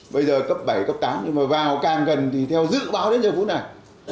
bây giờ cấp bảy cấp tám nhưng mà vào càng gần thì theo dự báo đến giờ vũ này